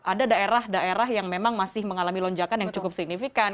ada daerah daerah yang memang masih mengalami lonjakan yang cukup signifikan